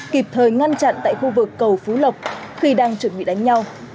kịp thời ngăn chặn tại khu vực cầu phú lộc khi đang chuẩn bị đánh nhau